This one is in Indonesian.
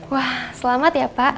wah selamat ya pak